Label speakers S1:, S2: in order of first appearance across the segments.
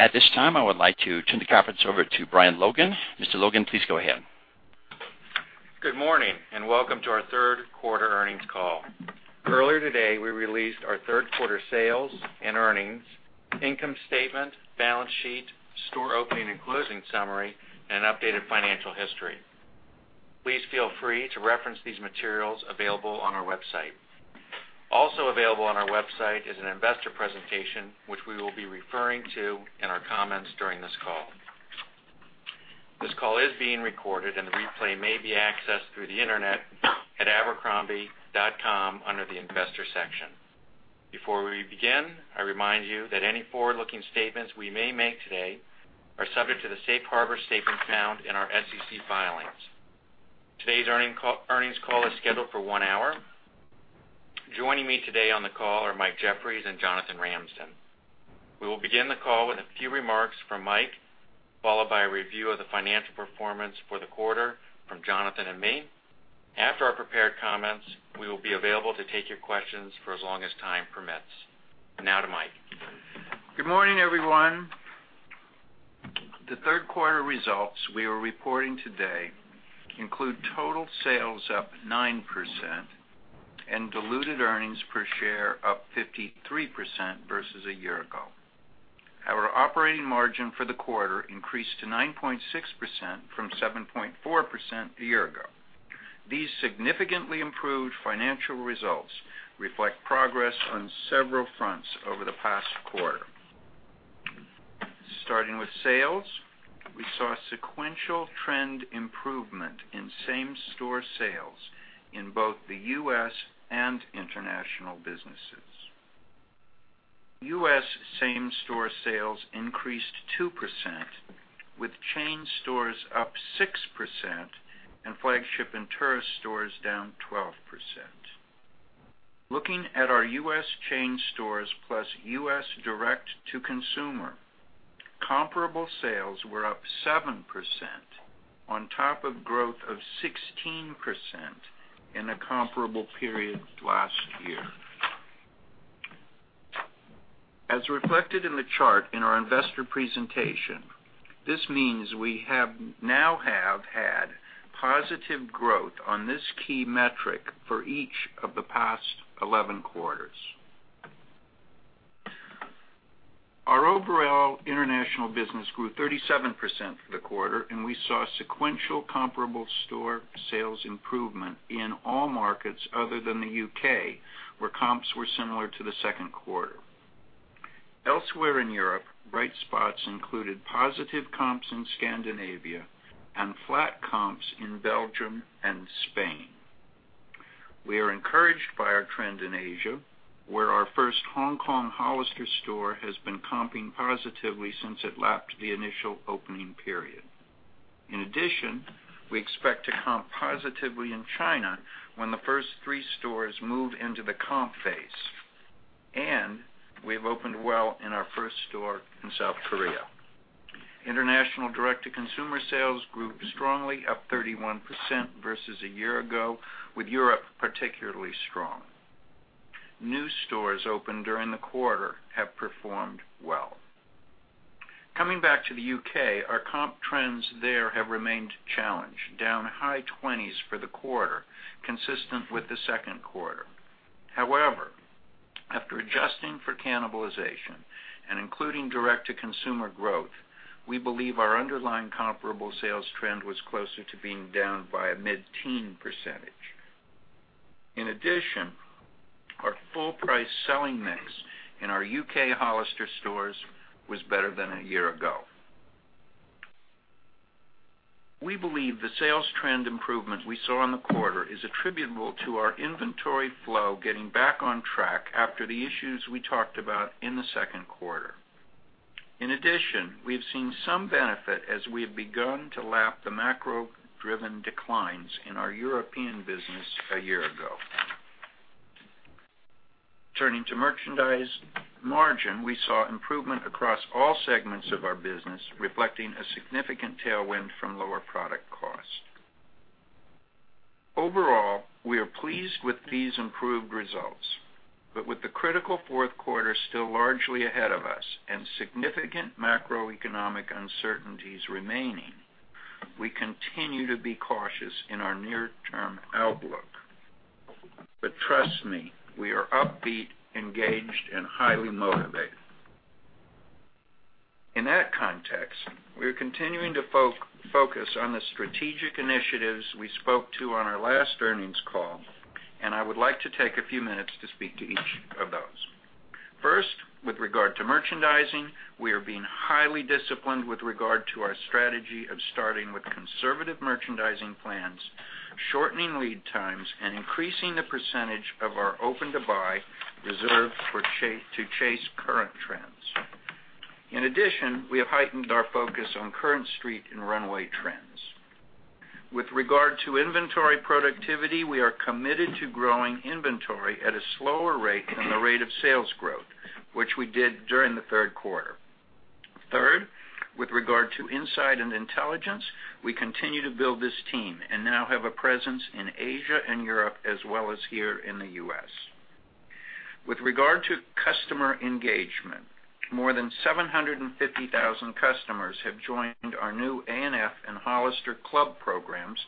S1: At this time, I would like to turn the conference over to Brian Logan. Mr. Logan, please go ahead.
S2: Good morning, and welcome to our third quarter earnings call. Earlier today, we released our third quarter sales and earnings, income statement, balance sheet, store opening and closing summary, and updated financial history. Please feel free to reference these materials available on our website. Also available on our website is an investor presentation, which we will be referring to in our comments during this call. This call is being recorded and the replay may be accessed through the internet at abercrombie.com under the investor section. Before we begin, I remind you that any forward-looking statements we may make today are subject to the safe harbor statements found in our SEC filings. Today's earnings call is scheduled for one hour. Joining me today on the call are Mike Jeffries and Jonathan Ramsden. We will begin the call with a few remarks from Mike, followed by a review of the financial performance for the quarter from Jonathan and me. After our prepared comments, we will be available to take your questions for as long as time permits. Now to Mike.
S3: Good morning, everyone. The third quarter results we are reporting today include total sales up 9% and diluted earnings per share up 53% versus a year ago. Our operating margin for the quarter increased to 9.6% from 7.4% a year ago. These significantly improved financial results reflect progress on several fronts over the past quarter. Starting with sales, we saw sequential trend improvement in same-store sales in both the U.S. and international businesses. U.S. same-store sales increased 2%, with chain stores up 6% and flagship and tourist stores down 12%. Looking at our U.S. chain stores plus U.S. direct-to-consumer, comparable sales were up 7% on top of growth of 16% in the comparable period last year. As reflected in the chart in our investor presentation, this means we now have had positive growth on this key metric for each of the past 11 quarters. Our overall international business grew 37% for the quarter, and we saw sequential comparable store sales improvement in all markets other than the U.K., where comps were similar to the second quarter. Elsewhere in Europe, bright spots included positive comps in Scandinavia and flat comps in Belgium and Spain. We are encouraged by our trend in Asia, where our first Hong Kong Hollister store has been comping positively since it lapped the initial opening period. In addition, we expect to comp positively in China when the first three stores move into the comp phase, and we have opened well in our first store in South Korea. International direct-to-consumer sales grew strongly up 31% versus a year ago, with Europe particularly strong. New stores opened during the quarter have performed well. Coming back to the U.K., our comp trends there have remained challenged, down high 20s for the quarter, consistent with the second quarter. However, after adjusting for cannibalization and including direct-to-consumer growth, we believe our underlying comparable sales trend was closer to being down by a mid-teen percentage. In addition, our full-price selling mix in our U.K. Hollister stores was better than a year ago. We believe the sales trend improvement we saw in the quarter is attributable to our inventory flow getting back on track after the issues we talked about in the second quarter. In addition, we have seen some benefit as we have begun to lap the macro-driven declines in our European business a year ago. Turning to merchandise margin, we saw improvement across all segments of our business, reflecting a significant tailwind from lower product cost. Overall, we are pleased with these improved results. With the critical fourth quarter still largely ahead of us and significant macroeconomic uncertainties remaining, we continue to be cautious in our near-term outlook. Trust me, we are upbeat, engaged, and highly motivated. In that context, we are continuing to focus on the strategic initiatives we spoke to on our last earnings call, I would like to take a few minutes to speak to each of those. First, with regard to merchandising, we are being highly disciplined with regard to our strategy of starting with conservative merchandising plans, shortening lead times, and increasing the percentage of our open-to-buy reserve to chase current trends. In addition, we have heightened our focus on current street and runway trends. With regard to inventory productivity, we are committed to growing inventory at a slower rate than the rate of sales growth, which we did during the third quarter. Third With regard to insight and intelligence, we continue to build this team and now have a presence in Asia and Europe, as well as here in the U.S. With regard to customer engagement, more than 750,000 customers have joined our new ANF and Hollister club programs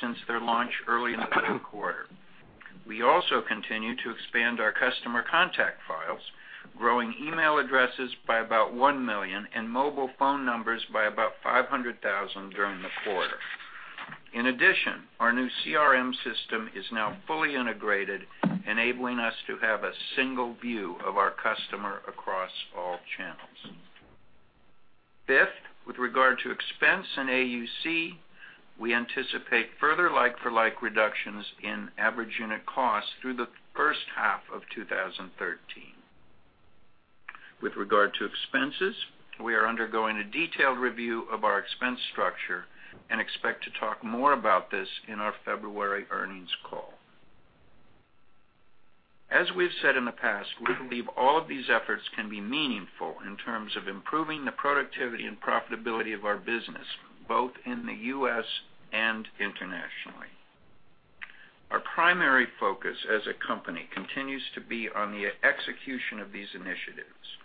S3: since their launch early in the quarter. We also continue to expand our customer contact files, growing email addresses by about 1 million and mobile phone numbers by about 500,000 during the quarter. In addition, our new CRM system is now fully integrated, enabling us to have a single view of our customer across all channels. Fifth, with regard to expense and AUC, we anticipate further like-for-like reductions in average unit cost through the first half of 2013. With regard to expenses, we are undergoing a detailed review of our expense structure and expect to talk more about this in our February earnings call. As we've said in the past, we believe all of these efforts can be meaningful in terms of improving the productivity and profitability of our business, both in the U.S. and internationally. Our primary focus as a company continues to be on the execution of these initiatives,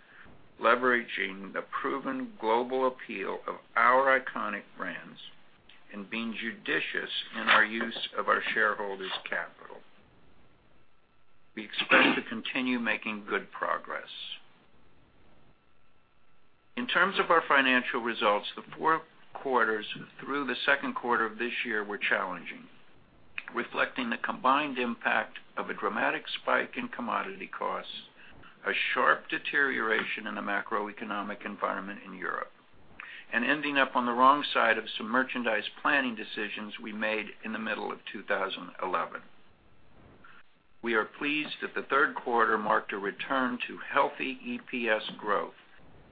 S3: leveraging the proven global appeal of our iconic brands, and being judicious in our use of our shareholders' capital. We expect to continue making good progress. In terms of our financial results, the four quarters through the second quarter of this year were challenging, reflecting the combined impact of a dramatic spike in commodity costs, a sharp deterioration in the macroeconomic environment in Europe, and ending up on the wrong side of some merchandise planning decisions we made in the middle of 2011. We are pleased that the third quarter marked a return to healthy EPS growth,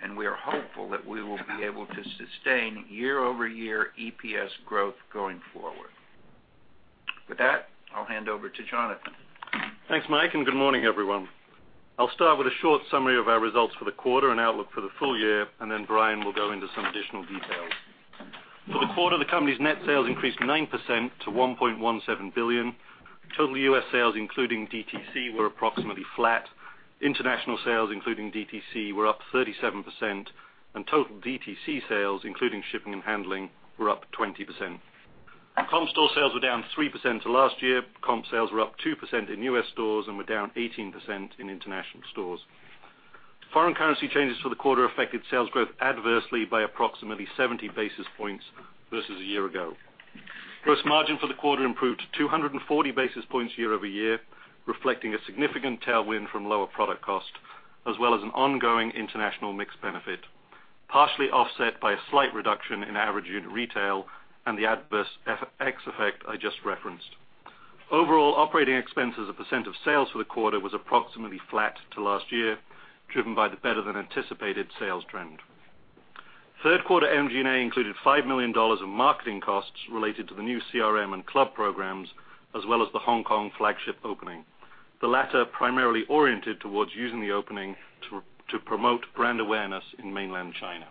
S3: and we are hopeful that we will be able to sustain year-over-year EPS growth going forward. With that, I'll hand over to Jonathan.
S4: Thanks, Mike, and good morning, everyone. I'll start with a short summary of our results for the quarter and outlook for the full year, and then Brian will go into some additional details. For the quarter, the company's net sales increased 9% to $1.17 billion. Total U.S. sales, including DTC, were approximately flat. International sales, including DTC, were up 37%, and total DTC sales, including shipping and handling, were up 20%. Comp store sales were down 3% to last year. Comp sales were up 2% in U.S. stores and were down 18% in international stores. Foreign currency changes for the quarter affected sales growth adversely by approximately 70 basis points versus a year ago. Gross margin for the quarter improved to 240 basis points year-over-year, reflecting a significant tailwind from lower product cost, as well as an ongoing international mix benefit, partially offset by a slight reduction in average unit retail and the adverse FX effect I just referenced. Overall, operating expenses as a % of sales for the quarter was approximately flat to last year, driven by the better-than-anticipated sales trend. Third quarter MG&A included $5 million in marketing costs related to the new CRM and club programs, as well as the Hong Kong flagship opening, the latter primarily oriented towards using the opening to promote brand awareness in mainland China.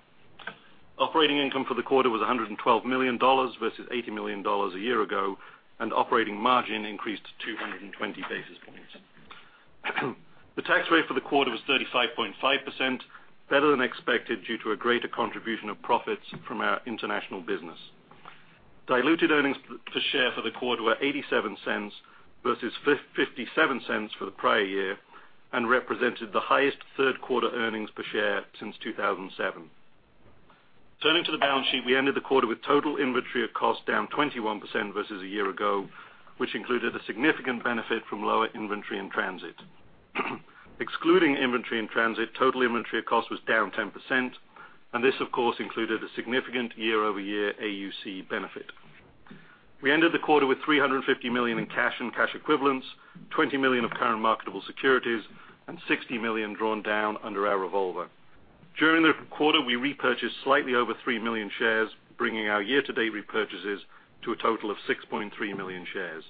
S4: Operating income for the quarter was $112 million versus $80 million a year ago, and operating margin increased to 220 basis points. The tax rate for the quarter was 35.5%, better than expected due to a greater contribution of profits from our international business. Diluted earnings per share for the quarter were $0.87 versus $0.57 for the prior year and represented the highest third-quarter earnings per share since 2007. Turning to the balance sheet, we ended the quarter with total inventory of cost down 21% versus a year ago, which included a significant benefit from lower inventory in transit. Excluding inventory in transit, total inventory cost was down 10%, and this, of course, included a significant year-over-year AUC benefit. We ended the quarter with $350 million in cash and cash equivalents, $20 million of current marketable securities, and $60 million drawn down under our revolver. During the quarter, we repurchased slightly over 3 million shares, bringing our year-to-date repurchases to a total of 6.3 million shares.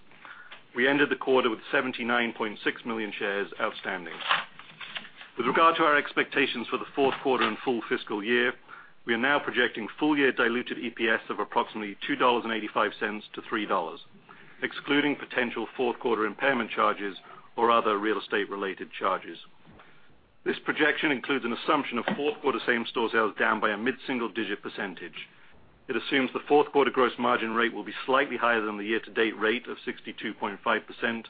S4: We ended the quarter with 79.6 million shares outstanding. With regard to our expectations for the fourth quarter and full fiscal year, we are now projecting full-year diluted EPS of approximately $2.85 to $3, excluding potential fourth-quarter impairment charges or other real estate-related charges. This projection includes an assumption of fourth-quarter same-store sales down by a mid-single-digit percentage. It assumes the fourth-quarter gross margin rate will be slightly higher than the year-to-date rate of 62.5%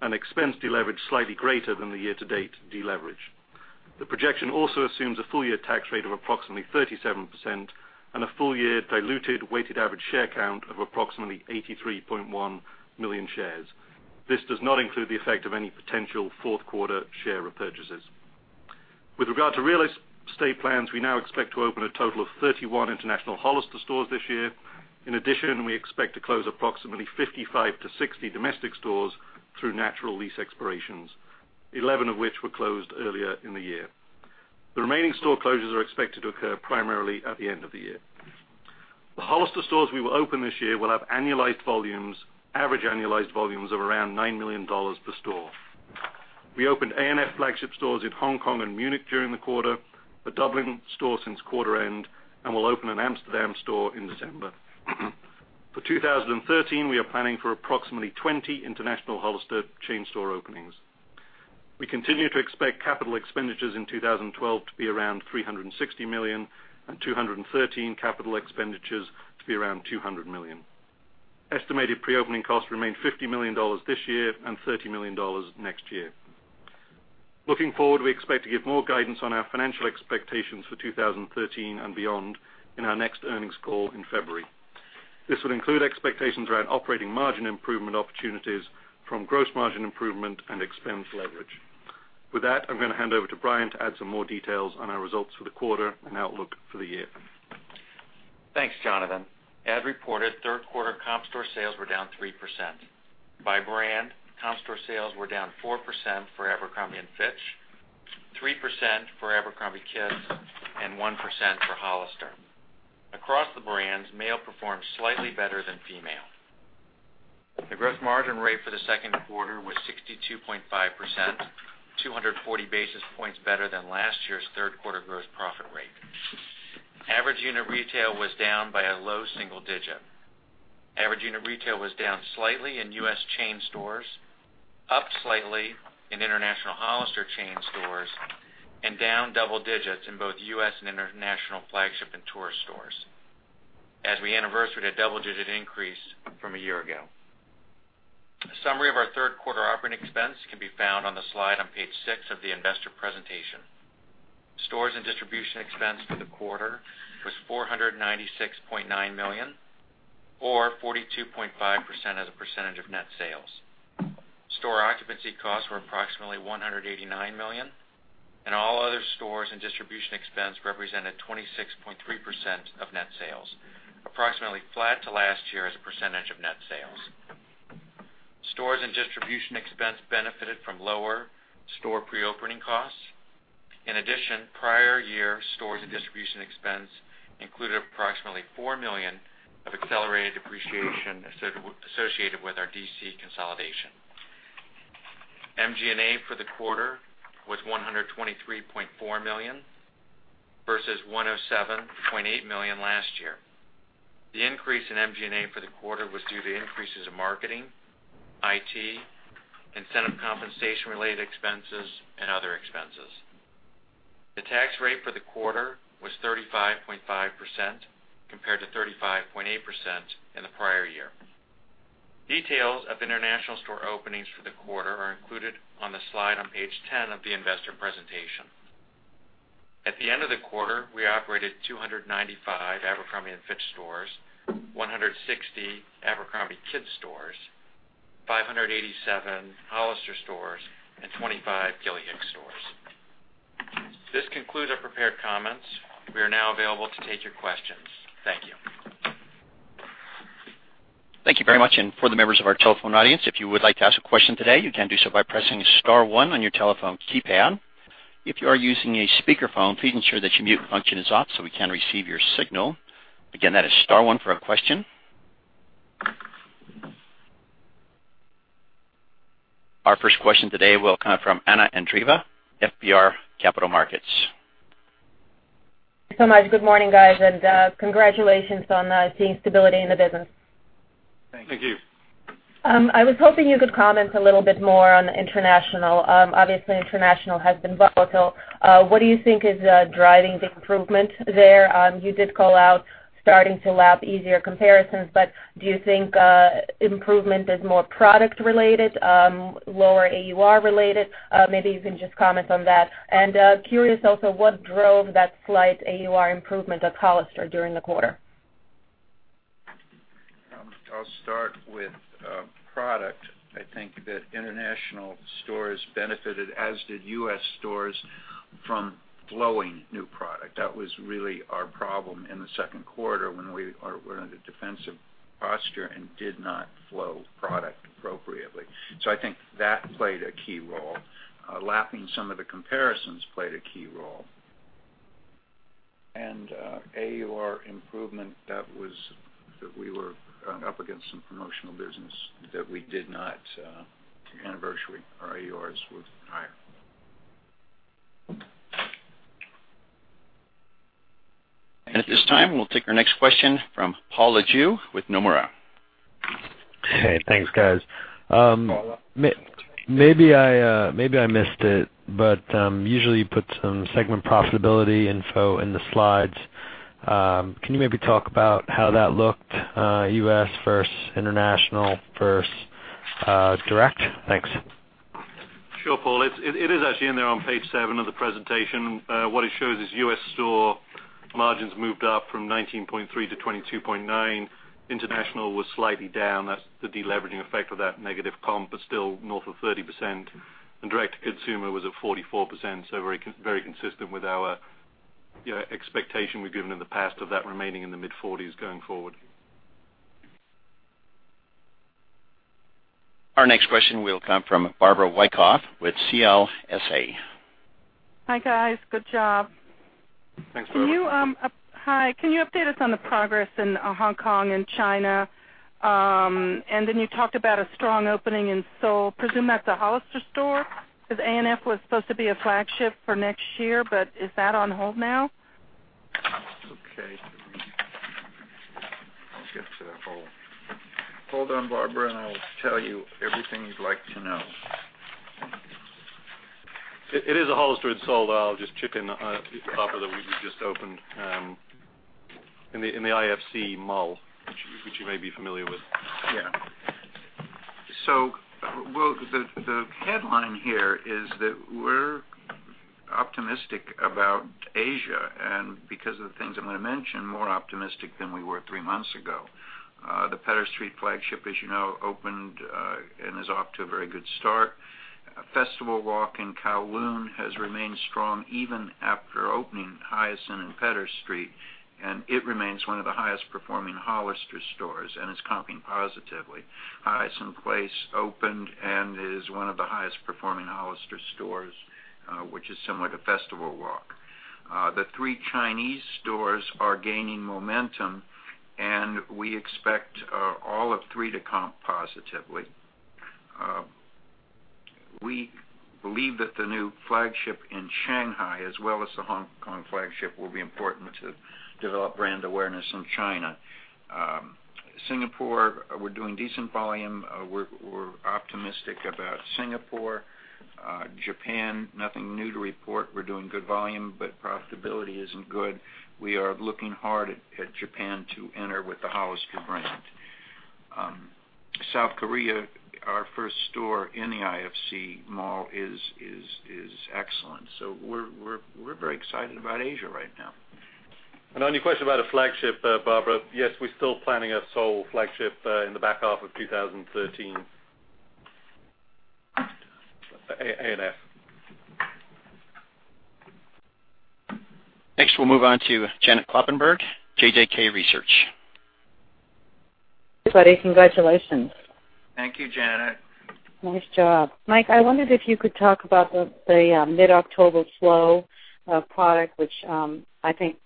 S4: and expense deleverage slightly greater than the year-to-date deleverage. The projection also assumes a full-year tax rate of approximately 37% and a full-year diluted weighted average share count of approximately 83.1 million shares. This does not include the effect of any potential fourth quarter share repurchases. With regard to real estate plans, we now expect to open a total of 31 international Hollister stores this year. In addition, we expect to close approximately 55-60 domestic stores through natural lease expirations, 11 of which were closed earlier in the year. The remaining store closures are expected to occur primarily at the end of the year. The Hollister stores we will open this year will have average annualized volumes of around $9 million per store. We opened ANF flagship stores in Hong Kong and Munich during the quarter, the Dublin store since quarter end, and will open an Amsterdam store in December. For 2013, we are planning for approximately 20 international Hollister chain store openings. We continue to expect capital expenditures in 2012 to be around $360 million and 2013 capital expenditures to be around $200 million. Estimated pre-opening costs remain $50 million this year and $30 million next year. Looking forward, we expect to give more guidance on our financial expectations for 2013 and beyond in our next earnings call in February. This will include expectations around operating margin improvement opportunities from gross margin improvement and expense leverage. With that, I'm going to hand over to Brian to add some more details on our results for the quarter and outlook for the year.
S2: Thanks, Jonathan. As reported, third quarter comp store sales were down 3%. By brand, comp store sales were down 4% for Abercrombie & Fitch, 3% for abercrombie kids, and 1% for Hollister. Across the brands, male performed slightly better than female. The gross margin rate for the second quarter was 62.5%, 240 basis points better than last year's third quarter gross profit rate. Average unit retail was down by a low single digit. Average unit retail was down slightly in U.S. chain stores, up slightly in international Hollister chain stores, and down double digits in both U.S. and international flagship and tourist stores. As we anniversary-ed a double-digit increase from a year ago. A summary of our third quarter operating expense can be found on the slide on page six of the investor presentation. Stores and distribution expense for the quarter was $496.9 million, or 42.5% as a percentage of net sales. Store occupancy costs were approximately $189 million, and all other stores and distribution expense represented 26.3% of net sales, approximately flat to last year as a percentage of net sales. Stores and distribution expense benefited from lower store pre-opening costs. In addition, prior year stores and distribution expense included approximately $4 million of accelerated depreciation associated with our DC consolidation. MG&A for the quarter was $123.4 million versus $107.8 million last year. The increase in MG&A for the quarter was due to increases in marketing, IT, incentive compensation related expenses, and other expenses. The tax rate for the quarter was 35.5%, compared to 35.8% in the prior year. Details of international store openings for the quarter are included on the slide on page 10 of the investor presentation. At the end of the quarter, we operated 295 Abercrombie & Fitch stores, 160 abercrombie kids stores, 587 Hollister stores, and 25 Gilly Hicks stores. This concludes our prepared comments. We are now available to take your questions. Thank you.
S1: Thank you very much. For the members of our telephone audience, if you would like to ask a question today, you can do so by pressing star one on your telephone keypad. If you are using a speakerphone, please ensure that your mute function is off so we can receive your signal. Again, that is star one for a question. Our first question today will come from Anna Andreeva, FPR Capital Markets.
S5: Thank you so much. Good morning, guys, congratulations on seeing stability in the business.
S4: Thank you.
S2: Thank you.
S5: I was hoping you could comment a little bit more on international. Obviously, international has been volatile. What do you think is driving the improvement there? You did call out starting to lap easier comparisons, do you think improvement is more product related, lower AUR related? Maybe you can just comment on that. Curious also what drove that slight AUR improvement at Hollister during the quarter.
S2: I'll start with product. I think that international stores benefited, as did U.S. stores, from flowing new product. That was really our problem in the second quarter when we were in a defensive posture and did not flow product appropriately. I think that played a key role. Lapping some of the comparisons played a key role. AUR improvement, that was that we were up against some promotional business that we did not anniversary, our AURs were higher.
S1: At this time, we'll take our next question from Paul Lejuez with Nomura.
S6: Thanks, guys. Usually you put some segment profitability info in the slides. Can you maybe talk about how that looked, U.S. versus international versus direct? Thanks.
S4: Sure, Paul. It is actually in there on page seven of the presentation. What it shows is U.S. store margins moved up from 19.3% to 22.9%. International was slightly down. That's the deleveraging effect of that negative comp, but still north of 30%. Direct to consumer was at 44%, very consistent with our expectation we've given in the past of that remaining in the mid-40s going forward.
S1: Our next question will come from Barbara Wyckoff with CLSA.
S7: Hi, guys. Good job.
S4: Thanks, Barbara.
S7: Hi, can you update us on the progress in Hong Kong and China? Then you talked about a strong opening in Seoul, I presume that's a Hollister store? A&F was supposed to be a flagship for next year, is that on hold now?
S3: Okay. I'll get to that. Hold on, Barbara, I'll tell you everything you'd like to know.
S4: It is a Hollister in Seoul, I'll just chip in, Barbara, that we've just opened in the IFC Mall, which you may be familiar with.
S3: Yeah. Well, the headline here is that we're optimistic about Asia, because of the things I'm going to mention, more optimistic than we were three months ago. The Pedder Street flagship, as you know, opened and is off to a very good start. Festival Walk in Kowloon has remained strong even after opening Hysan and Pedder Street, it remains one of the highest performing Hollister stores, and it's comping positively. Hysan Place opened and is one of the highest performing Hollister stores, which is similar to Festival Walk. The three Chinese stores are gaining momentum, we expect all three to comp positively. We believe that the new flagship in Shanghai, as well as the Hong Kong flagship, will be important to develop brand awareness in China. Singapore, we're doing decent volume. We're optimistic about Singapore. Japan, nothing new to report. We're doing good volume, profitability isn't good. We are looking hard at Japan to enter with the Hollister brand. South Korea, our first store in the IFC Mall is excellent. We're very excited about Asia right now.
S4: On your question about a flagship, Barbara, yes, we're still planning a Seoul flagship in the back half of 2013. A&F.
S1: Next, we'll move on to Janet Kloppenburg, JJK Research.
S8: Everybody, congratulations.
S3: Thank you, Janet.
S8: Nice job. Mike Jeffries, I wondered if you could talk about the mid-October flow of product, which I think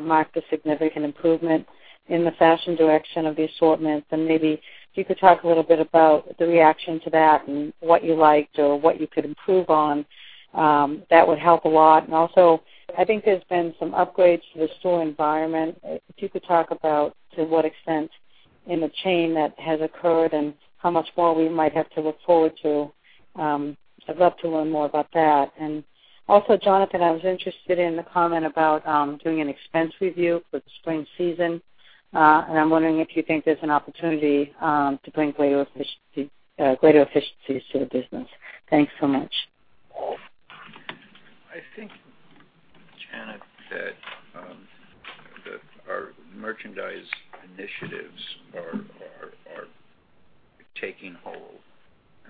S8: marked a significant improvement in the fashion direction of the assortments, and maybe if you could talk a little bit about the reaction to that and what you liked or what you could improve on. That would help a lot. Also, I think there's been some upgrades to the store environment. If you could talk about to what extent in the chain that has occurred and how much more we might have to look forward to. I'd love to learn more about that. Also, Jonathan Ramsden, I was interested in the comment about doing an expense review for the spring season. I'm wondering if you think there's an opportunity to bring greater efficiencies to the business. Thanks so much.
S3: I think, Janet Kloppenburg, that our merchandise initiatives are taking hold.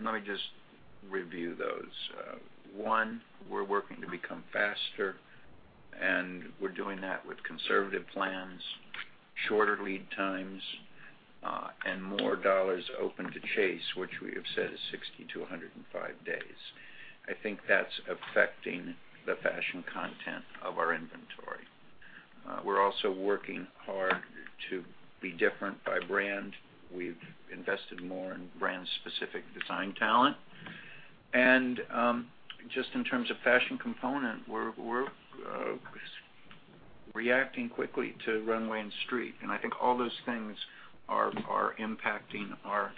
S3: Let me just review those. One, we're working to become faster, and we're doing that with conservative plans, shorter lead times, and more dollars open to chase, which we have said is 60 to 105 days. I think that's affecting the fashion content of our inventory. We're also working hard to be different by brand. We've invested more in brand-specific design talent. Just in terms of fashion component, we're reacting quickly to runway and street, and I think all those things are impacting our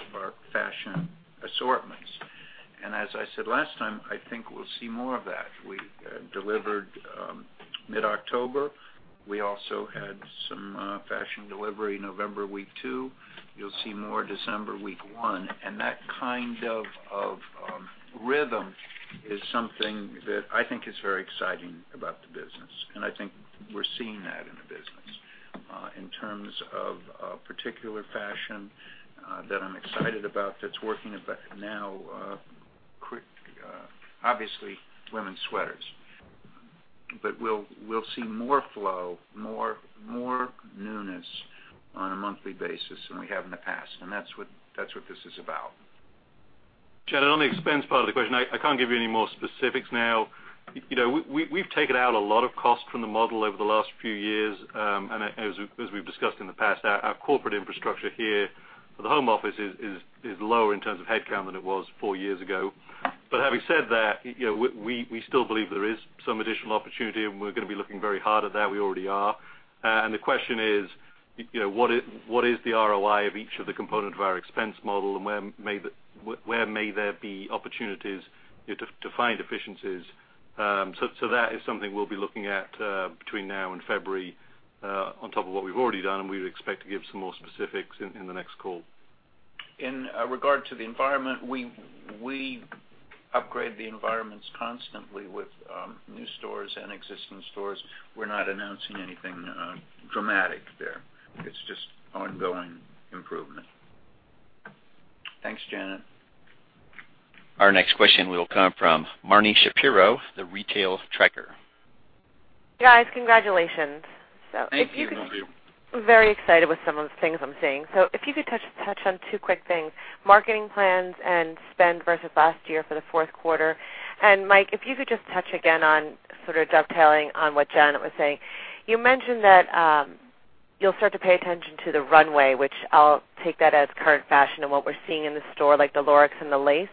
S3: fashion assortments. As I said last time, I think we'll see more of that. We delivered mid-October. We also had some fashion delivery November week 2. You'll see more December week 1. That kind of rhythm is something that I think is very exciting about the business, and I think we're seeing that in the business. In terms of a particular fashion that I'm excited about that's working now, obviously women's sweaters. We'll see more flow, more newness on a monthly basis than we have in the past, and that's what this is about.
S4: Janet Kloppenburg, on the expense part of the question, I can't give you any more specifics now. We've taken out a lot of cost from the model over the last few years. As we've discussed in the past, our corporate infrastructure here for the home office is lower in terms of headcount than it was four years ago. Having said that, we still believe there is some additional opportunity, and we're going to be looking very hard at that. We already are. The question is, what is the ROI of each of the components of our expense model, and where may there be opportunities to find efficiencies? That is something we'll be looking at between now and February on top of what we've already done, and we would expect to give some more specifics in the next call.
S3: In regard to the environment, we upgrade the environments constantly with new stores and existing stores. We're not announcing anything dramatic there. It's just ongoing improvement. Thanks, Janet.
S1: Our next question will come from Marni Shapiro, The Retail Tracker.
S9: Guys, congratulations.
S3: Thank you.
S1: Thank you.
S4: Very excited with some of the things I'm seeing. If you could touch on two quick things, marketing plans and spend versus last year for the fourth quarter. Mike, if you could just touch again on sort of dovetailing on what Jonathan was saying. You mentioned that you'll start to pay attention to the runway, which I'll take that as current fashion and what we're seeing in the store, like the floral and the lace.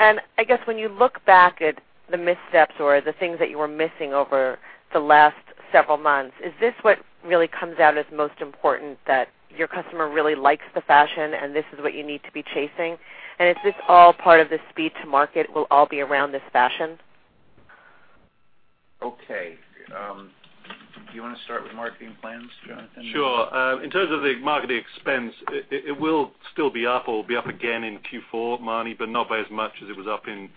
S4: I guess when you look back at the missteps or the things that you were missing over the last several months, is this what really comes out as most important, that your customer really likes the fashion and this is what you need to be chasing? Is this all part of the speed to market will all be around this fashion?
S3: Okay. Do you want to start with marketing plans, Jonathan?
S4: Sure. In terms of the marketing expense, it will still be up or will be up again in Q4, Marni, but not by as much as it was up in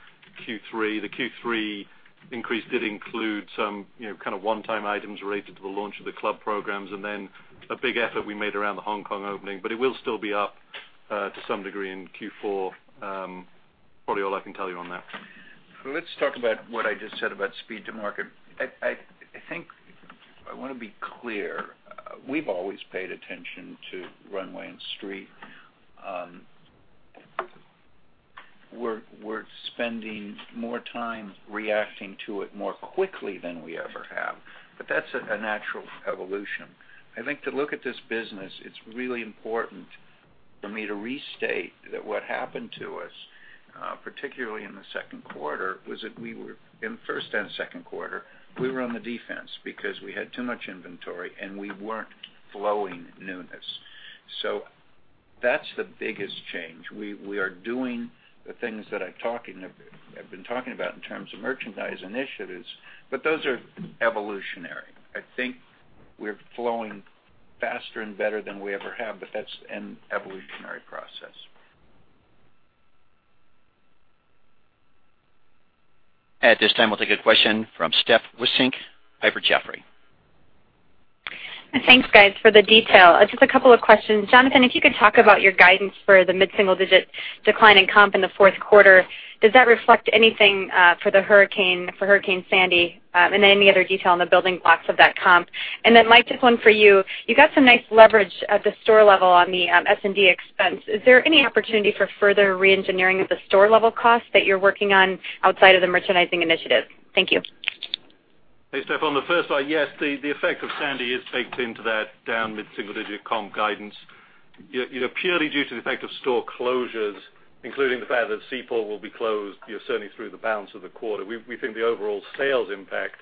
S4: Q3. The Q3 increase did include some kind of one-time items related to the launch of the club programs, and then a big effort we made around the Hong Kong opening. It will still be up to some degree in Q4. Probably all I can tell you on that.
S3: Let's talk about what I just said about speed to market. I think I want to be clear. We've always paid attention to runway and street. We're spending more time reacting to it more quickly than we ever have. That's a natural evolution. I think to look at this business, it's really important for me to restate that what happened to us, particularly in the second quarter, was that in first and second quarter, we were on the defense because we had too much inventory, and we weren't flowing newness. That's the biggest change. We are doing the things that I've been talking about in terms of merchandise initiatives, but those are evolutionary. I think we're flowing faster and better than we ever have, but that's an evolutionary process.
S1: At this time, we'll take a question from Steph Wissink, Piper Jaffray.
S10: Thanks, guys, for the detail. Just a couple of questions. Jonathan, if you could talk about your guidance for the mid-single-digit decline in comp in the fourth quarter. Does that reflect anything for Hurricane Sandy? Any other detail on the building blocks of that comp. Mike, just one for you. You got some nice leverage at the store level on the S&D expense. Is there any opportunity for further re-engineering of the store-level costs that you're working on outside of the merchandising initiatives? Thank you.
S4: Hey, Steph. On the first one, yes, the effect of Sandy is baked into that down mid-single-digit comp guidance. Purely due to the effect of store closures, including the fact that Seaport will be closed certainly through the balance of the quarter. We think the overall sales impact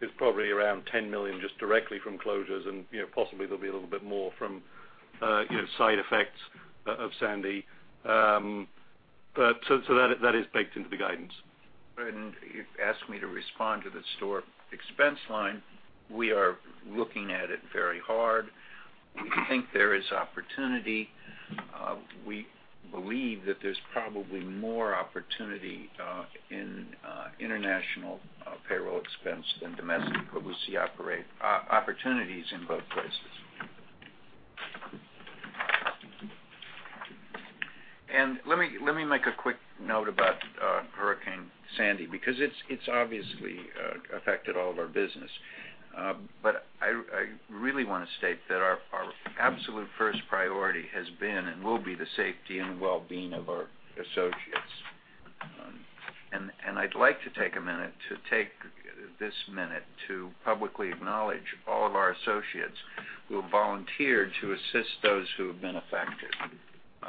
S4: is probably around $10 million just directly from closures, and possibly there'll be a little bit more from side effects of Sandy. That is baked into the guidance.
S3: You've asked me to respond to the store expense line. We are looking at it very hard. We think there is opportunity. We believe that there's probably more opportunity in international payroll expense than domestic, but we see opportunities in both places. Let me make a quick note about Hurricane Sandy, because it's obviously affected all of our business. I really want to state that our absolute first priority has been and will be the safety and well-being of our associates. I'd like to take this minute to publicly acknowledge all of our associates who have volunteered to assist those who have been affected.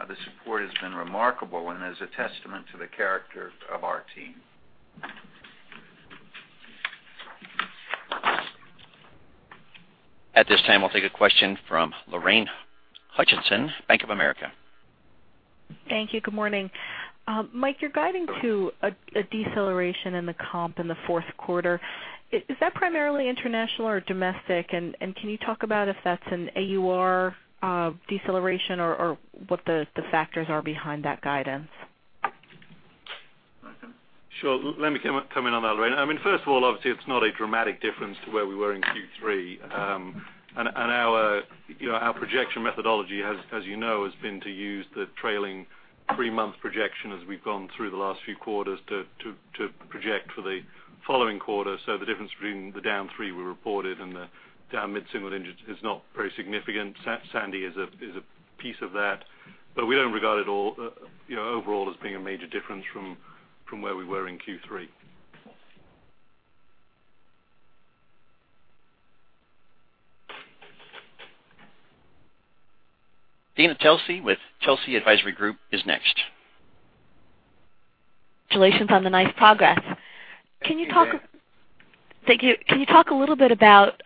S3: The support has been remarkable and is a testament to the character of our team.
S1: At this time, we'll take a question from Lorraine Hutchinson, Bank of America.
S11: Thank you. Good morning. Mike, you're guiding to a deceleration in the comp in the fourth quarter. Is that primarily international or domestic? Can you talk about if that's an AUR deceleration or what the factors are behind that guidance?
S1: Mike?
S4: Sure. Let me come in on that, Lorraine. First of all, obviously, it's not a dramatic difference to where we were in Q3. Our projection methodology, as you know, has been to use the trailing three-month projection as we've gone through the last few quarters to project for the following quarter. The difference between the down three we reported and the down mid-single digits is not very significant. Sandy is a piece of that, but we don't regard it overall as being a major difference from where we were in Q3.
S1: Dana Telsey with Telsey Advisory Group is next.
S12: Congratulations on the nice progress.
S3: Thank you.
S12: Thank you. Can you talk a little bit about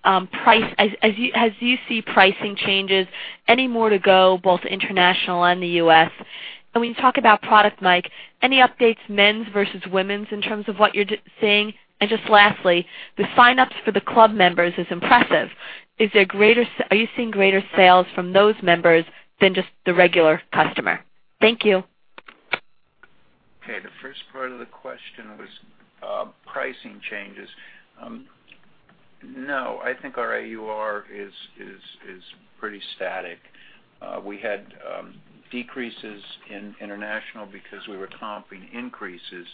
S12: price? As you see pricing changes, any more to go, both international and the U.S.? When you talk about product, Mike, any updates men's versus women's in terms of what you're seeing? Just lastly, the sign-ups for the club members is impressive. Are you seeing greater sales from those members than just the regular customer? Thank you.
S3: Okay. The first part of the question was pricing changes. No, I think our AUR is pretty static. We had decreases in international because we were comping increases.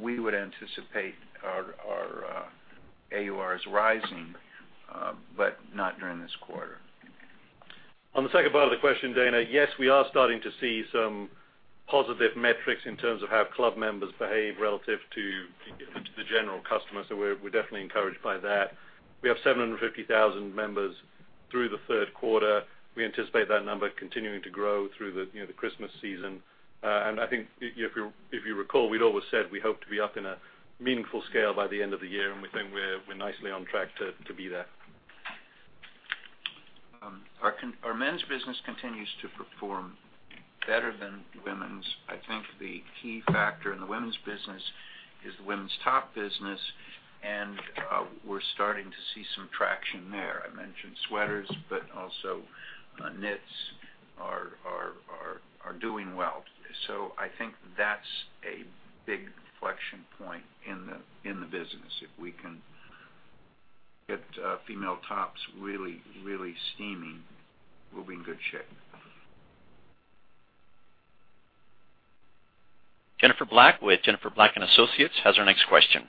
S3: We would anticipate our AURs rising, but not during this quarter.
S4: On the second part of the question, Dana, yes, we are starting to see some positive metrics in terms of how club members behave relative to the general customer. We're definitely encouraged by that. We have 750,000 members through the third quarter. We anticipate that number continuing to grow through the Christmas season. I think if you recall, we'd always said we hope to be up in a meaningful scale by the end of the year, and we think we're nicely on track to be there.
S3: Our men's business continues to perform better than women's. I think the key factor in the women's business is the women's top business, and we're starting to see some traction there. I mentioned sweaters, but also knits are doing well. I think that's a big inflection point in the business. If we can get female tops really steaming, we'll be in good shape.
S1: Jennifer Black with Jennifer Black & Associates has our next question.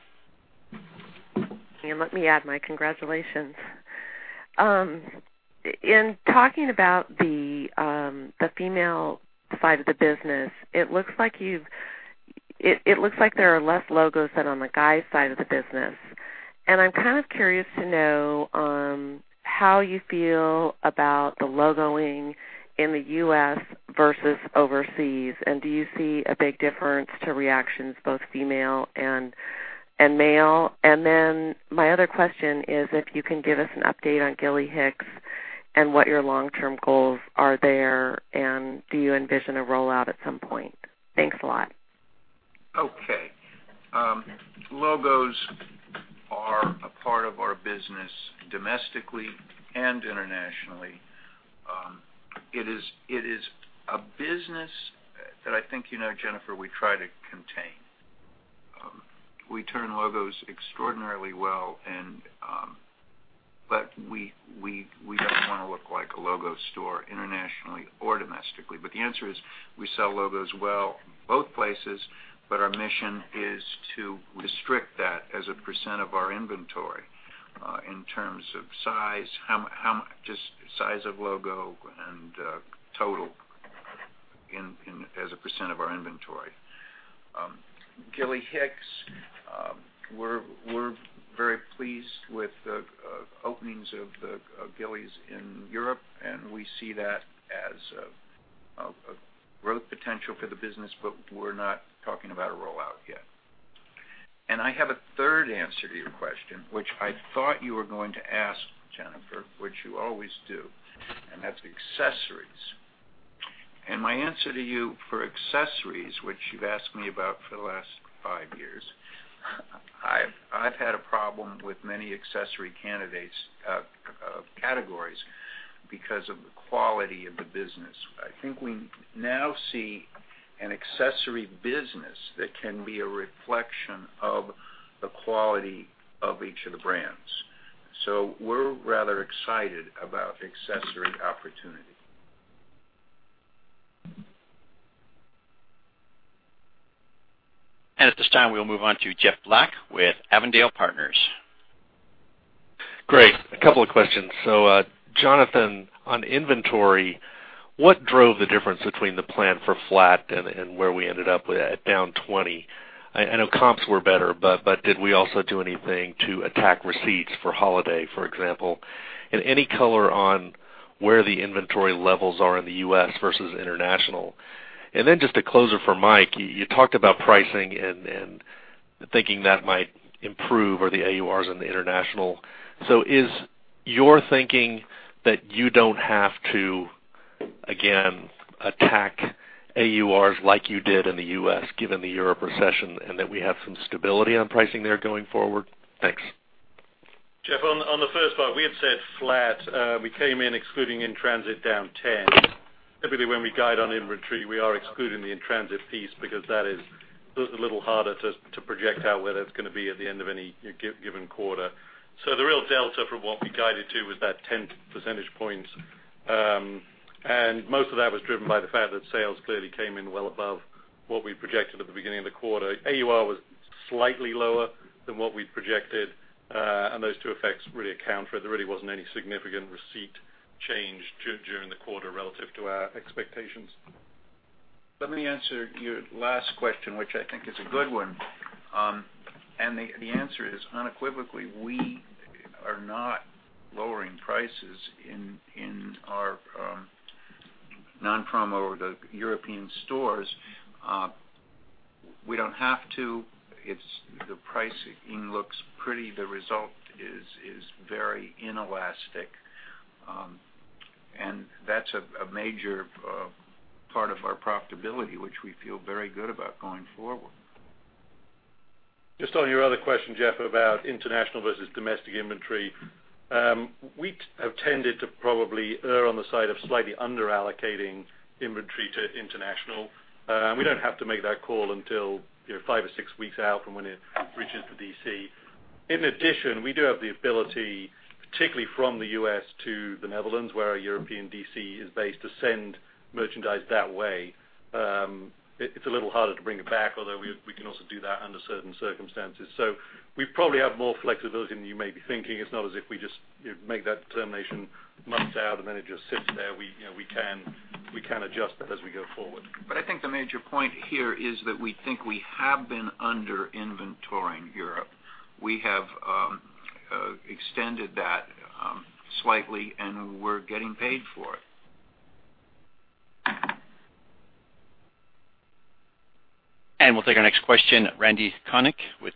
S13: Let me add my congratulations. In talking about the female side of the business, it looks like there are less logos than on the guys side of the business. I'm kind of curious to know how you feel about the logoing in the U.S. versus overseas. Do you see a big difference to reactions, both female and male? My other question is if you can give us an update on Gilly Hicks and what your long-term goals are there, do you envision a rollout at some point? Thanks a lot.
S3: Okay. Logos are a part of our business domestically and internationally. It is a business that I think you know, Jennifer, we try to contain. We turn logos extraordinarily well, we don't want to look like a logo store internationally or domestically. The answer is we sell logos well both places, but our mission is to restrict that as a % of our inventory in terms of size, just size of logo and total as a % of our inventory. Gilly Hicks, we're very pleased with the openings of Gilly's in Europe, we see that as a growth potential for the business. We're not talking about a rollout yet. I have a third answer to your question, which I thought you were going to ask, Jennifer, which you always do, and that's accessories. My answer to you for accessories, which you've asked me about for the last five years I've had a problem with many accessory categories because of the quality of the business. I think we now see an accessory business that can be a reflection of the quality of each of the brands. We're rather excited about accessory opportunity.
S1: At this time, we'll move on to Jeff Black with Avondale Partners.
S14: Great. A couple of questions. Jonathan, on inventory, what drove the difference between the plan for flat and where we ended up at down 20? I know comps were better, but did we also do anything to attack receipts for holiday, for example? Any color on where the inventory levels are in the U.S. versus international. Then just a closer for Mike. You talked about pricing and thinking that might improve or the AURs in the international. Is your thinking that you don't have to, again, attack AURs like you did in the U.S. given the Europe recession and that we have some stability on pricing there going forward? Thanks.
S4: Jeff, on the first part, we had said flat. We came in excluding in-transit down 10. Typically, when we guide on inventory, we are excluding the in-transit piece because that is a little harder to project out whether it's going to be at the end of any given quarter. The real delta from what we guided to was that 10 percentage points. Most of that was driven by the fact that sales clearly came in well above what we projected at the beginning of the quarter. AUR was slightly lower than what we projected. Those two effects really account for it. There really wasn't any significant receipt change during the quarter relative to our expectations.
S3: Let me answer your last question, which I think is a good one. The answer is unequivocally, we are not lowering prices in our non-promo or the European stores. We don't have to. The pricing looks pretty. The result is very inelastic. That's a major part of our profitability, which we feel very good about going forward.
S4: Just on your other question, Jeff, about international versus domestic inventory. We have tended to probably err on the side of slightly under-allocating inventory to international. We don't have to make that call until five or six weeks out from when it reaches the DC. In addition, we do have the ability, particularly from the U.S. to the Netherlands, where our European DC is based, to send merchandise that way. It's a little harder to bring it back, although we can also do that under certain circumstances. We probably have more flexibility than you may be thinking. It's not as if we just make that determination months out and then it just sits there. We can adjust that as we go forward.
S3: I think the major point here is that we think we have been under-inventoring Europe. We have extended that slightly, and we're getting paid for it.
S1: We'll take our next question, Randal Konik with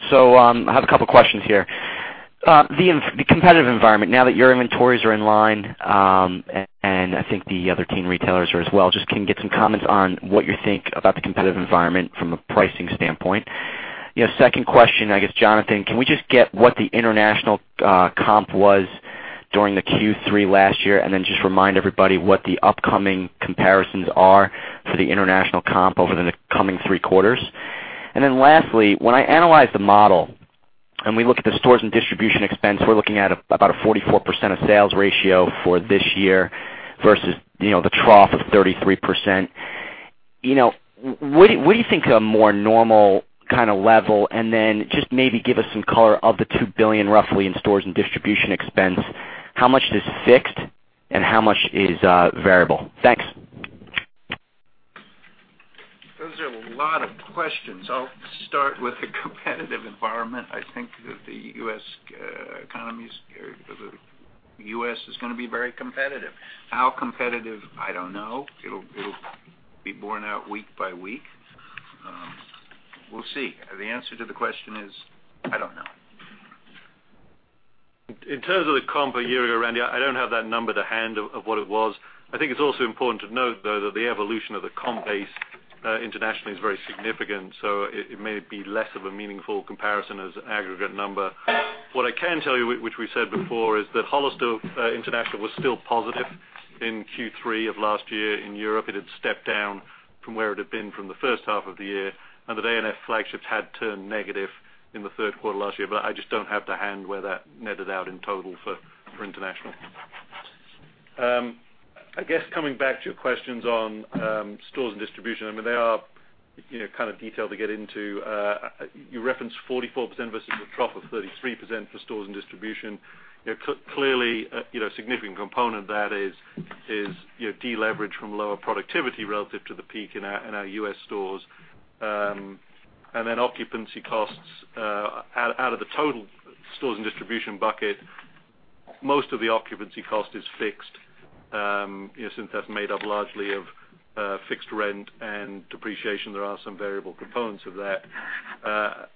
S1: Jefferies.
S15: I have a couple questions here. The competitive environment, now that your inventories are in line, and I think the other teen retailers are as well, just can we get some comments on what you think about the competitive environment from a pricing standpoint? Second question, I guess, Jonathan, can we just get what the international comp was during the Q3 last year? Then just remind everybody what the upcoming comparisons are for the international comp over the coming three quarters. Lastly, when I analyze the model, and we look at the stores and distribution expense, we're looking at about a 44% of sales ratio for this year versus the trough of 33%. What do you think a more normal kind of level, then just maybe give us some color of the $2 billion roughly in stores and distribution expense. How much is fixed and how much is variable? Thanks.
S3: Those are a lot of questions. I'll start with the competitive environment. I think that the U.S. is going to be very competitive. How competitive? I don't know. It'll be borne out week by week. We'll see. The answer to the question is, I don't know.
S4: In terms of the comp a year ago, Randy, I don't have that number to hand of what it was. I think it's also important to note, though, that the evolution of the comp base internationally is very significant, so it may be less of a meaningful comparison as an aggregate number. What I can tell you, which we've said before, is that Hollister International was still positive in Q3 of last year. In Europe, it had stepped down from where it had been from the first half of the year, and that A&F Flagships had turned negative in the third quarter last year. I just don't have to hand where that netted out in total for International. I guess coming back to your questions on stores and distribution, they are kind of detailed to get into. You referenced 44% versus a trough of 33% for stores and distribution. Clearly, a significant component of that is deleverage from lower productivity relative to the peak in our U.S. stores. Occupancy costs out of the total stores and distribution bucket. Most of the occupancy cost is fixed. Since that's made up largely of fixed rent and depreciation, there are some variable components of that.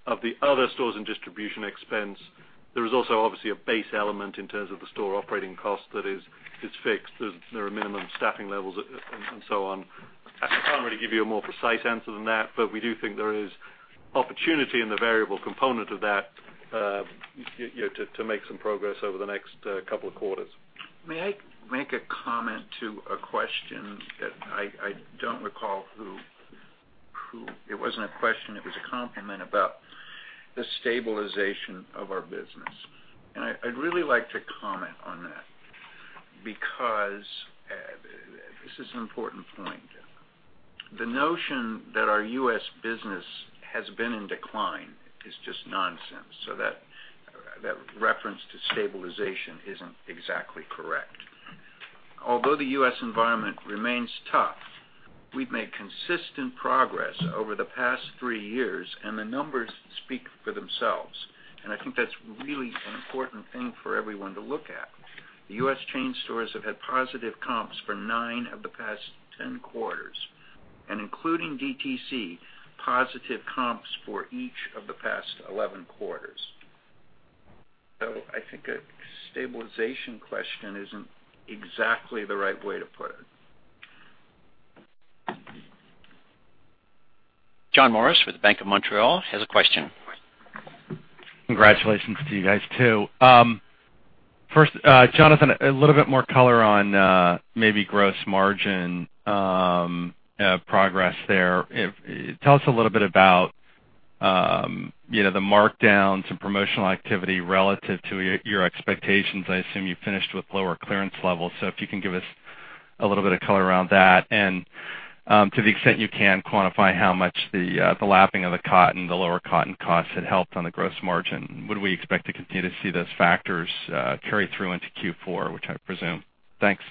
S4: Of the other stores and distribution expense, there is also obviously a base element in terms of the store operating cost that is fixed. There are minimum staffing levels and so on. I can't really give you a more precise answer than that. We do think there is opportunity in the variable component of that to make some progress over the next couple of quarters.
S3: May I make a comment to a question that I don't recall who. It wasn't a question, it was a compliment about the stabilization of our business. I'd really like to comment on that, because this is an important point. The notion that our U.S. business has been in decline is just nonsense, so that reference to stabilization isn't exactly correct. Although the U.S. environment remains tough, we've made consistent progress over the past three years, and the numbers speak for themselves. I think that's really an important thing for everyone to look at. The U.S. chain stores have had positive comps for 9 of the past 10 quarters, and including DTC, positive comps for each of the past 11 quarters. I think a stabilization question isn't exactly the right way to put it.
S1: John Morris with Bank of Montreal has a question.
S16: Congratulations to you guys, too. First, Jonathan, a little bit more color on maybe gross margin progress there. Tell us a little bit about the markdowns and promotional activity relative to your expectations. I assume you finished with lower clearance levels. If you can give us a little bit of color around that, and to the extent you can quantify how much the lapping of the cotton, the lower cotton costs had helped on the gross margin. Would we expect to continue to see those factors carry through into Q4, which I presume? Thanks.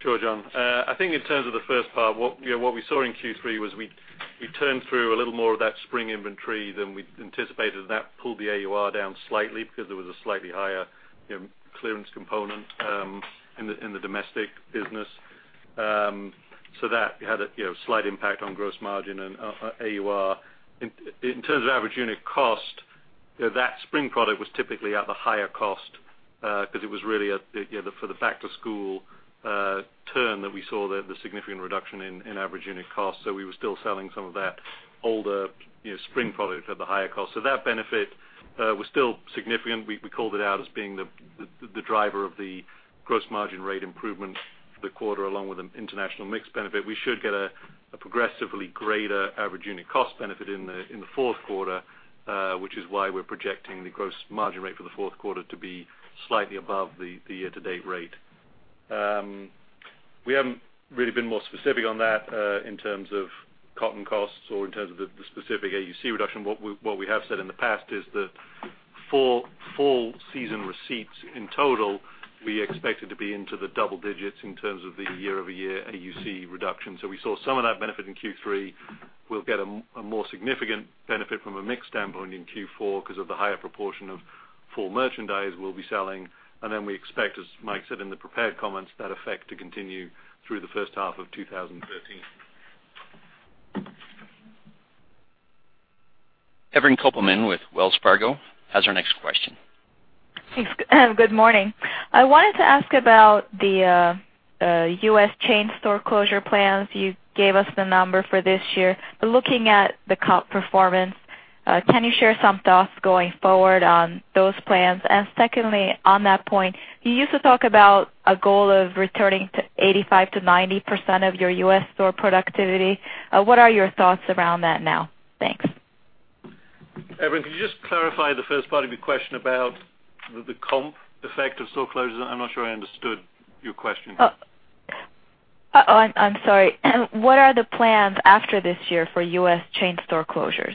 S4: Sure, John. I think in terms of the first part, what we saw in Q3 was we turned through a little more of that spring inventory than we'd anticipated. That pulled the AUR down slightly because there was a slightly higher clearance component in the domestic business. That had a slight impact on gross margin and AUR. In terms of average unit cost, that spring product was typically at the higher cost because it was really for the back-to-school turn that we saw the significant reduction in average unit cost. We were still selling some of that older spring product at the higher cost. That benefit was still significant. We called it out as being the driver of the gross margin rate improvement for the quarter, along with an international mix benefit. We should get a progressively greater average unit cost benefit in the fourth quarter, which is why we're projecting the gross margin rate for the fourth quarter to be slightly above the year-to-date rate. We haven't really been more specific on that, in terms of cotton costs or in terms of the specific AUC reduction. What we have said in the past is that full season receipts in total, we expect it to be into the double digits in terms of the year-over-year AUC reduction. We saw some of that benefit in Q3. We'll get a more significant benefit from a mix standpoint in Q4 because of the higher proportion of full merchandise we'll be selling. Then we expect, as Mike said in the prepared comments, that effect to continue through the first half of 2013.
S1: Evren Kopelman with Wells Fargo has our next question.
S17: Good morning. I wanted to ask about the U.S. chain store closure plans. You gave us the number for this year. Looking at the comp performance, can you share some thoughts going forward on those plans? Secondly, on that point, you used to talk about a goal of returning to 85%-90% of your U.S. store productivity. What are your thoughts around that now? Thanks.
S4: Evan, can you just clarify the first part of your question about the comp effect of store closures? I'm not sure I understood your question.
S17: Oh, I'm sorry. What are the plans after this year for U.S. chain store closures?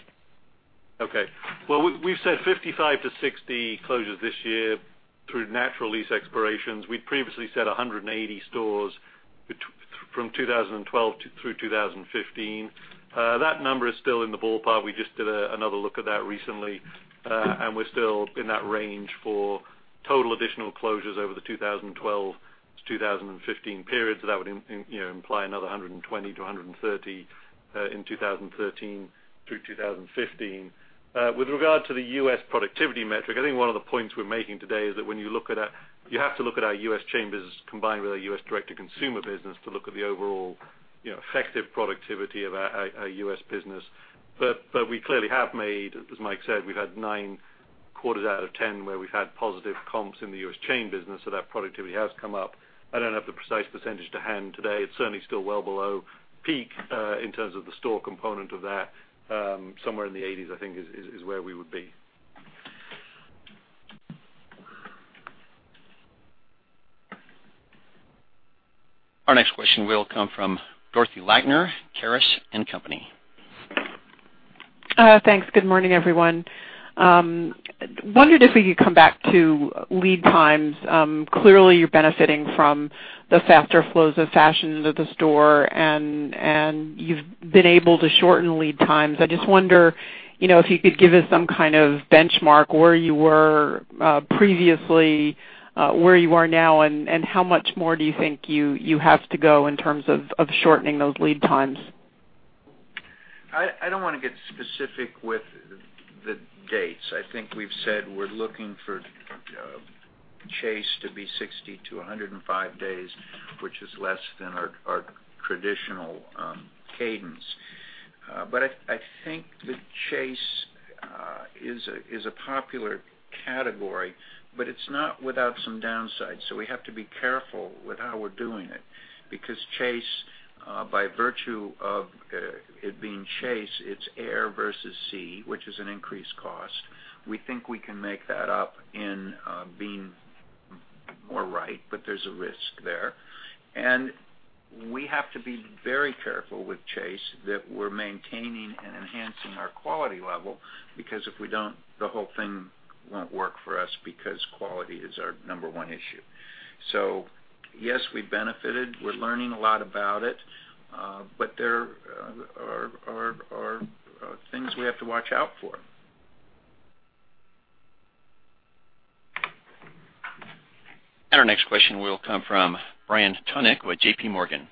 S4: Well, we've said 55-60 closures this year through natural lease expirations. We'd previously said 180 stores from 2012 through 2015. That number is still in the ballpark. We just did another look at that recently, and we're still in that range for total additional closures over the 2012-2015 period. That would imply another 120-130 in 2013 through 2015. With regard to the U.S. productivity metric, I think one of the points we're making today is that when you look at our U.S. chain business combined with our U.S. direct-to-consumer business to look at the overall effective productivity of our U.S. business. We clearly have made, as Mike said, we've had nine quarters out of 10 where we've had positive comps in the U.S. chain business, so that productivity has come up. I don't have the precise percentage to hand today. It's certainly still well below peak, in terms of the store component of that. Somewhere in the 80s, I think, is where we would be.
S1: Our next question will come from Dorothy Lakner, Caris & Company.
S18: Thanks. Good morning, everyone. Wondered if we could come back to lead times. Clearly, you're benefiting from the faster flows of fashions at the store, and you've been able to shorten lead times. I just wonder if you could give us some kind of benchmark where you were previously, where you are now, and how much more do you think you have to go in terms of shortening those lead times?
S3: I don't want to get specific with the dates. I think we've said we're looking for chase to be 60 to 105 days, which is less than our traditional cadence. I think that chase is a popular category, but it's not without some downsides. We have to be careful with how we're doing it. Chase, by virtue of it being chase, it's air versus sea, which is an increased cost. We think we can make that up in being more right, but there's a risk there. We have to be very careful with chase that we're maintaining and enhancing our quality level, because if we don't, the whole thing won't work for us because quality is our number one issue. Yes, we benefited. We're learning a lot about it. But there are things we have to watch out for.
S1: Our next question will come from Brian Tunick with JPMorgan.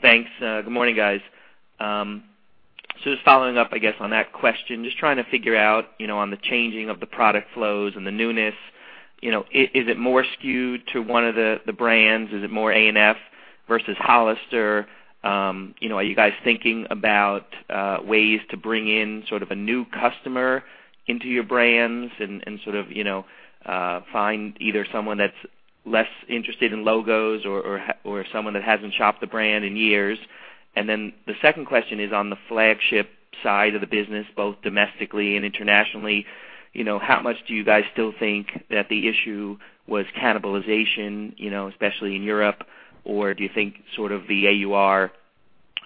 S19: Thanks. Good morning, guys. Just following up, I guess, on that question, just trying to figure out on the changing of the product flows and the newness, is it more skewed to one of the brands? Is it more A&F versus Hollister? Are you guys thinking about ways to bring in sort of a new customer into your brands and sort of find either someone that's less interested in logos or someone that hasn't shopped the brand in years. Then the second question is on the flagship side of the business, both domestically and internationally. How much do you guys still think that the issue was cannibalization, especially in Europe? Or do you think sort of the AUR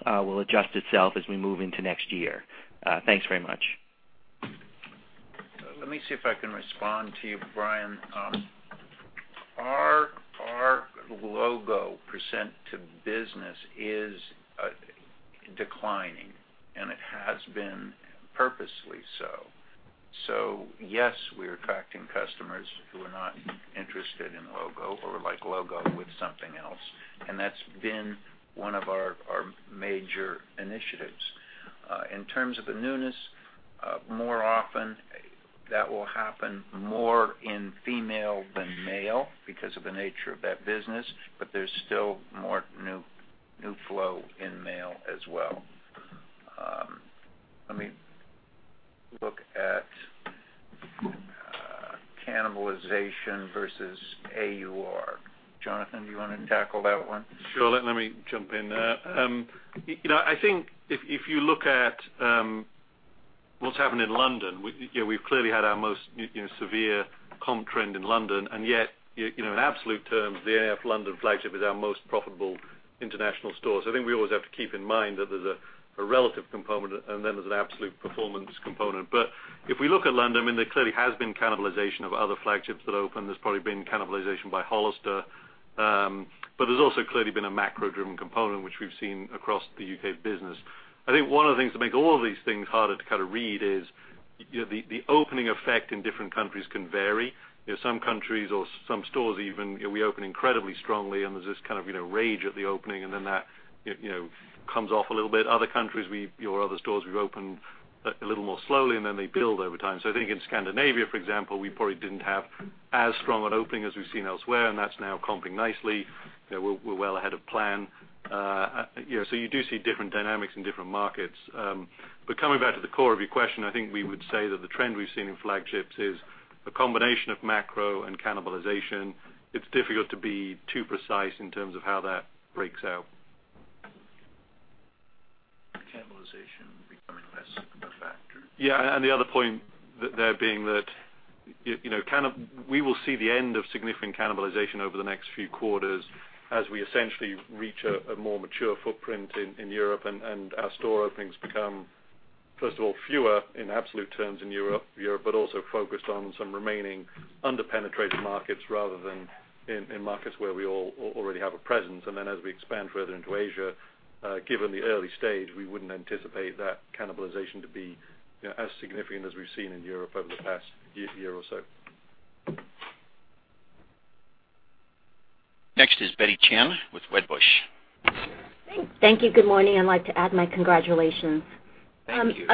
S19: will adjust itself as we move into next year? Thanks very much.
S3: Let me see if I can respond to you, Brian. Our logo percent to business is declining, and it has been purposely so. Yes, we're attracting customers who are not interested in logo or like logo with something else, and that's been one of our major initiatives. In terms of the newness, more often, that will happen more in female than male because of the nature of that business, but there's still more new flow in male as well. Let me look at Cannibalization versus AUR. Jonathan, do you want to tackle that one?
S4: Sure. Let me jump in. I think if you look at what's happened in London, we've clearly had our most severe comp trend in London, and yet, in absolute terms, the A&F London flagship is our most profitable international store. I think we always have to keep in mind that there's a relative component, and then there's an absolute performance component. If we look at London, there clearly has been cannibalization of other flagships that opened. There's probably been cannibalization by Hollister. There's also clearly been a macro-driven component, which we've seen across the U.K. business. I think one of the things that make all of these things harder to read is the opening effect in different countries can vary. Some countries or some stores even, we open incredibly strongly, and there's this kind of rage at the opening, and then that comes off a little bit. Other countries, or other stores we've opened a little more slowly, and then they build over time. I think in Scandinavia, for example, we probably didn't have as strong an opening as we've seen elsewhere, and that's now comping nicely. We're well ahead of plan. You do see different dynamics in different markets. Coming back to the core of your question, I think we would say that the trend we've seen in flagships is a combination of macro and cannibalization. It's difficult to be too precise in terms of how that breaks out.
S3: Cannibalization becoming less of a factor.
S4: The other point there being that we will see the end of significant cannibalization over the next few quarters as we essentially reach a more mature footprint in Europe and our store openings become, first of all, fewer in absolute terms in Europe, but also focused on some remaining under-penetrated markets rather than in markets where we already have a presence. As we expand further into Asia, given the early stage, we wouldn't anticipate that cannibalization to be as significant as we've seen in Europe over the past year or so.
S1: Next is Betty Chen with Wedbush.
S20: Thanks. Thank you. Good morning. I'd like to add my congratulations.
S3: Thank you.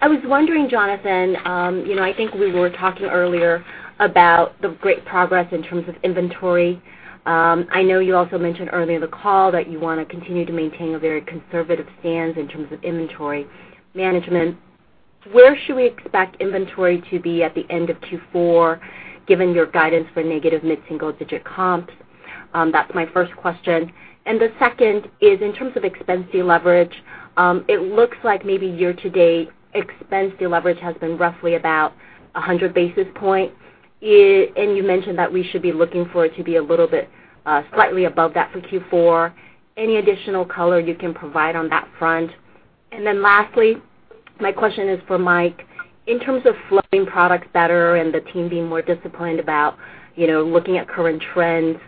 S20: I was wondering, Jonathan, I think we were talking earlier about the great progress in terms of inventory. I know you also mentioned earlier in the call that you want to continue to maintain a very conservative stance in terms of inventory management. Where should we expect inventory to be at the end of Q4, given your guidance for negative mid-single digit comps? That's my first question. The second is, in terms of expense deleverage, it looks like maybe year-to-date expense deleverage has been roughly about 100 basis points. You mentioned that we should be looking for it to be a little bit slightly above that for Q4. Any additional color you can provide on that front? Lastly, my question is for Mike. In terms of flowing products better and the team being more disciplined about looking at current trends,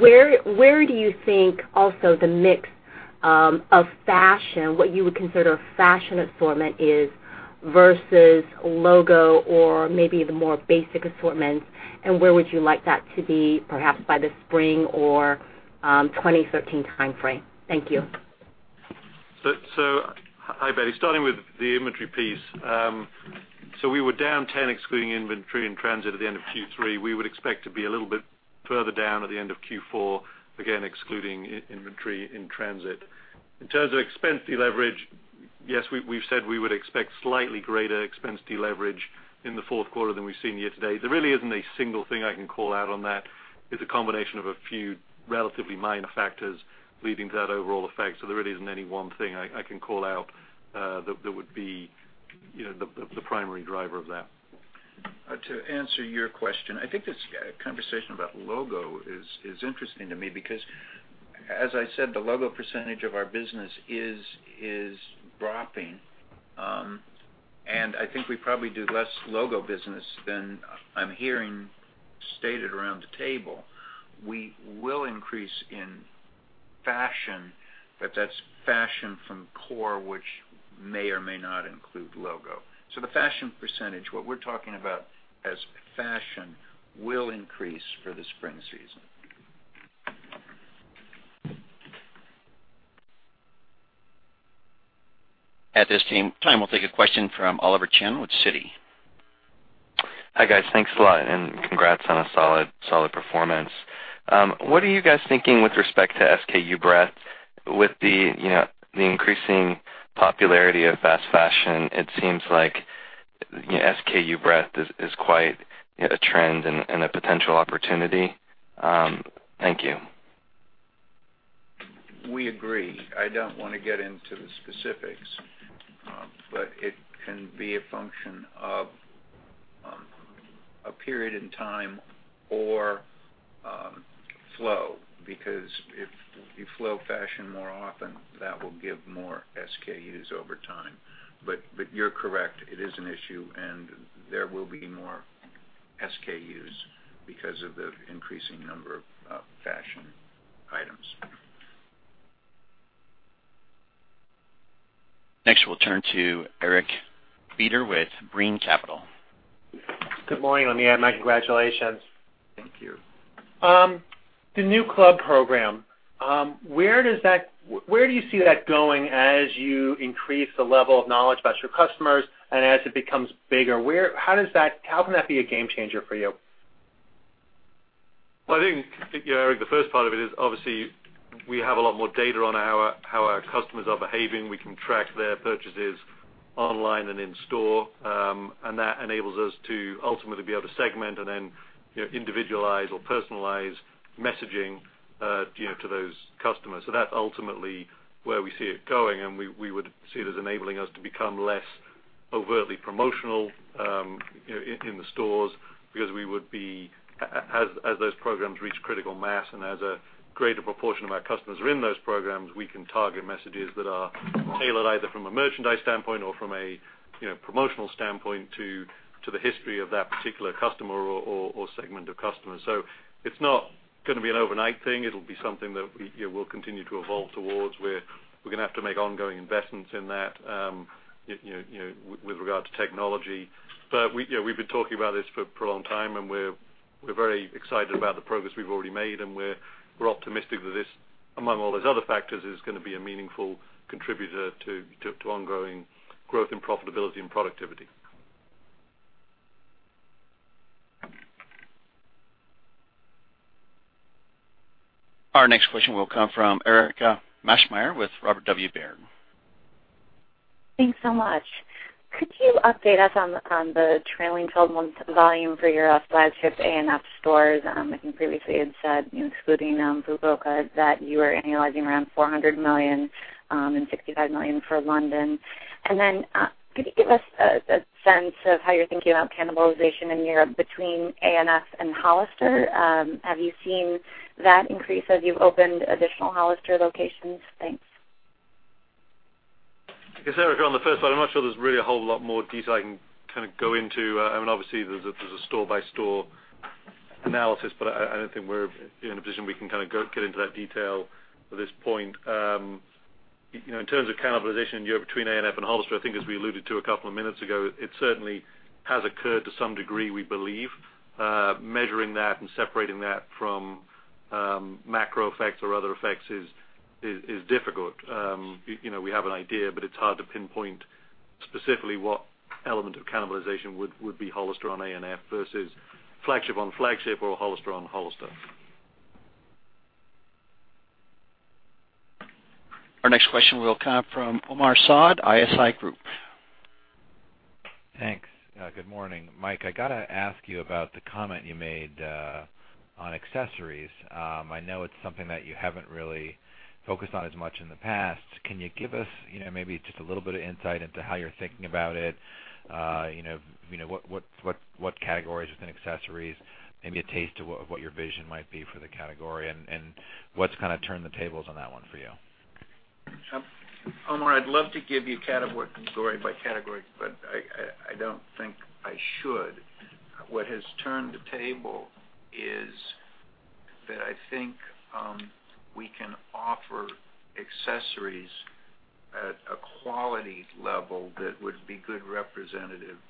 S20: where do you think also the mix of fashion, what you would consider fashion assortment is, versus logo or maybe the more basic assortments, and where would you like that to be, perhaps by the spring or 2013 timeframe? Thank you.
S4: Hi, Betty. Starting with the inventory piece. We were down 10, excluding inventory in transit at the end of Q3. We would expect to be a little bit further down at the end of Q4, again, excluding inventory in transit. In terms of expense deleverage, yes, we've said we would expect slightly greater expense deleverage in the fourth quarter than we've seen year-to-date. There really isn't a single thing I can call out on that. It's a combination of a few relatively minor factors leading to that overall effect. There really isn't any one thing I can call out that would be the primary driver of that.
S3: To answer your question, I think this conversation about logo is interesting to me because, as I said, the logo percentage of our business is dropping. I think we probably do less logo business than I'm hearing stated around the table. We will increase in fashion, but that's fashion from core, which may or may not include logo. The fashion percentage, what we're talking about as fashion, will increase for the spring season.
S1: At this time, we'll take a question from Oliver Chen with Citi.
S21: Hi, guys. Thanks a lot, and congrats on a solid performance. What are you guys thinking with respect to SKU breadth? With the increasing popularity of fast fashion, it seems like SKU breadth is quite a trend and a potential opportunity. Thank you.
S3: We agree. I don't want to get into the specifics. It can be a function of a period in time or flow, because if you flow fashion more often, that will give more SKUs over time. You're correct. It is an issue, and there will be more SKUs because of the increasing number of fashion items.
S1: Next, we'll turn to Eric Beder with Brean Capital.
S22: Good morning. Let me add my congratulations.
S3: Thank you.
S22: The new club program, where do you see that going as you increase the level of knowledge about your customers and as it becomes bigger? How can that be a game changer for you?
S4: Well, I think, Eric, the first part of it is obviously we have a lot more data on how our customers are behaving. We can track their purchases online and in store, and that enables us to ultimately be able to segment and then individualize or personalize messaging to those customers. That's ultimately where we see it going, and we would see it as enabling us to become less overtly promotional in the stores because as those programs reach critical mass and as a greater proportion of our customers are in those programs, we can target messages that are tailored either from a merchandise standpoint or from a promotional standpoint to the history of that particular customer or segment of customers. It's not going to be an overnight thing. It'll be something that we will continue to evolve towards, where we're going to have to make ongoing investments in that with regard to technology. We've been talking about this for a long time, and we're very excited about the progress we've already made, and we're optimistic that this, among all those other factors, is going to be a meaningful contributor to ongoing growth and profitability and productivity.
S1: Our next question will come from Erika Maschmeyer with Robert W. Baird.
S23: Thanks so much. Could you update us on the trailing 12 months volume for your flagship ANF stores? I think previously you had said, excluding Fukuoka, that you were annualizing around $400 million and $65 million for London. Could you give us a sense of how you're thinking about cannibalization in Europe between ANF and Hollister? Have you seen that increase as you've opened additional Hollister locations? Thanks.
S4: Okay, Erika, on the first one, I'm not sure there's really a whole lot more detail I can go into. Obviously, there's a store-by-store analysis, but I don't think we're in a position we can get into that detail at this point. In terms of cannibalization in Europe between ANF and Hollister, I think as we alluded to a couple of minutes ago, it certainly has occurred to some degree, we believe. Measuring that and separating that from macro effects or other effects is difficult. We have an idea, but it's hard to pinpoint specifically what element of cannibalization would be Hollister on ANF versus flagship on flagship or Hollister on Hollister.
S1: Our next question will come from Omar Saad, ISI Group.
S24: Thanks. Good morning, Mike, I got to ask you about the comment you made on accessories. I know it's something that you haven't really focused on as much in the past. Can you give us maybe just a little bit of insight into how you're thinking about it? What categories within accessories, maybe a taste of what your vision might be for the category, and what's turned the tables on that one for you?
S3: Omar, I'd love to give you category by category, I don't think I should. What has turned the table is that I think we can offer accessories at a quality level that would be good representatives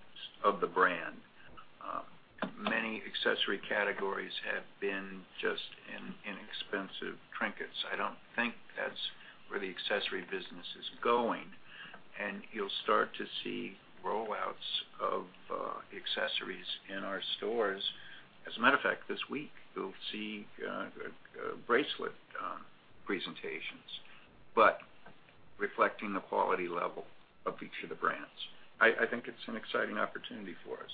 S3: of the brand. Many accessory categories have been just inexpensive trinkets. I don't think that's where the accessory business is going, you'll start to see rollouts of accessories in our stores. As a matter of fact, this week you'll see bracelet presentations, reflecting the quality level of each of the brands. I think it's an exciting opportunity for us.